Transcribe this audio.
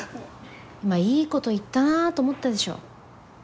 今いいこと言ったなと思ったでしょ。